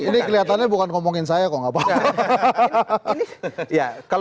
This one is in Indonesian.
ini kelihatannya bukan ngomongin saya kok